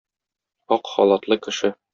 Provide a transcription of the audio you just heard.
Ак халатлы кеше.